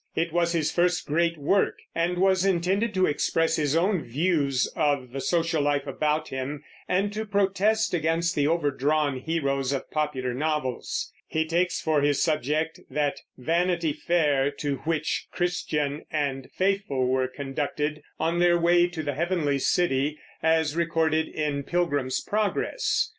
It was his first great work, and was intended to express his own views of the social life about him, and to protest against the overdrawn heroes of popular novels. He takes for his subject that Vanity Fair to which Christian and Faithful were conducted on their way to the Heavenly City, as recorded in Pilgrim's Progress.